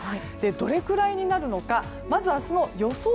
どれくらいになるのかまず明日の予想